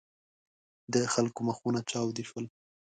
د خلکو مخونه چاودې شول.